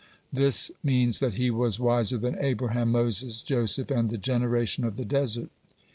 This means that he was wiser than Abraham, (19) Moses, (20) Joseph, (21) and the generation of the desert.